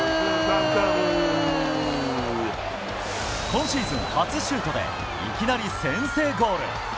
今シーズン、初シュートでいきなり先制ゴール。